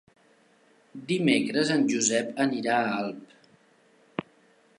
Dimecres en Josep anirà a Alp.